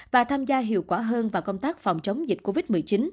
và tham gia hiệu quả hơn vào công tác phòng chống dịch covid một mươi chín